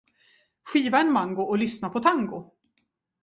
Skiva en mango och lyssna på tango.